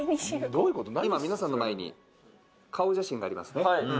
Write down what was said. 今皆さんの前に顔写真がありますね。